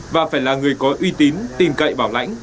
và phải là người có uy tín tìm cậy bảo lãnh